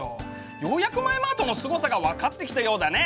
ようやくマエマートのすごさが分かってきたようだね。